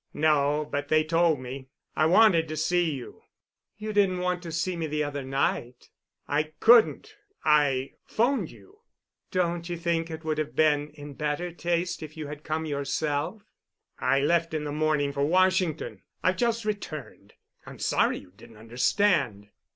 "No, but they told me. I wanted to see you." "You didn't want to see me the other night." "I couldn't—I 'phoned you." "Don't you think it would have been in better taste if you had come yourself?" "I left in the morning for Washington. I've just returned. I'm sorry you didn't understand."